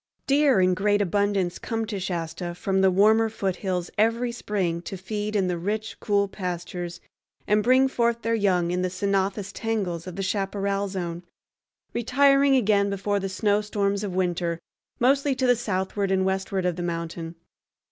Deer in great abundance come to Shasta from the warmer foothills every spring to feed in the rich, cool pastures, and bring forth their young in the ceanothus tangles of the chaparral zone, retiring again before the snowstorms of winter, mostly to the southward and westward of the mountain.